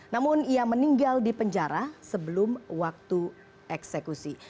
namun ia meninggal di penjara sebelum waktu eksekusi